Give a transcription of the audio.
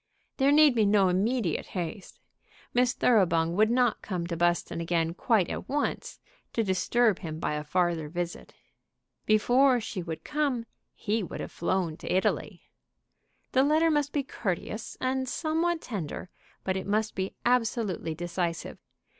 There need be no immediate haste. Miss Thoroughbung would not come to Buston again quite at once to disturb him by a farther visit. Before she would come he would have flown to Italy. The letter must be courteous, and somewhat tender, but it must be absolutely decisive.